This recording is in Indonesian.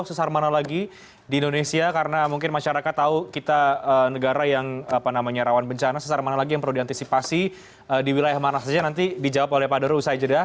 sesar mana lagi di indonesia karena mungkin masyarakat tahu kita negara yang rawan bencana sesar mana lagi yang perlu diantisipasi di wilayah mana saja nanti dijawab oleh pak deru usai jeda